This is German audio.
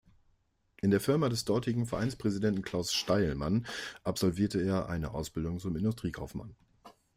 In der Firma des dortigen Vereinspräsidenten Klaus Steilmann absolvierte er eine Ausbildung zum Industriekaufmann.